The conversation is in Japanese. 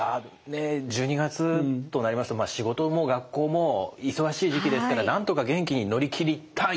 １２月となりますと仕事も学校も忙しい時期ですからなんとか元気に乗り切りたい！